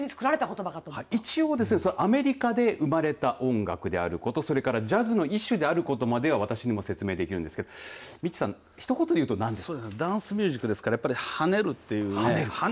一応、アメリカで生まれた音楽であることそれからジャズの一種であることは私にも説明できるんですけれどＭＩＴＣＨさんひと言で言うとなんですか。